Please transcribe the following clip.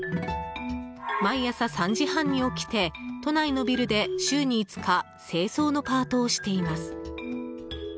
毎朝３時半に起きて都内のビルで、週に５日清掃のパートをしています。